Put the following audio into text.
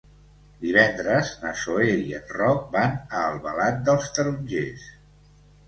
Divendres na Zoè i en Roc van a Albalat dels Tarongers.